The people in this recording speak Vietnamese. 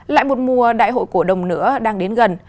lại một mùa đại hội cổ đồng nữa đang đến gần